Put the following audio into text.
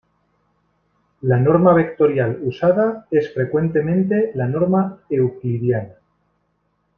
La norma vectorial usada es frecuentemente la norma euclidiana.